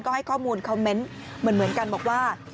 ก็ให้ข้อมูลคอมเมนต์เหมือนกันบอกว่า